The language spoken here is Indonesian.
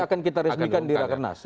nanti akan kita resmikan di rakyat karnas